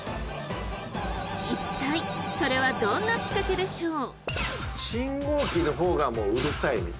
一体それはどんな仕掛けでしょう？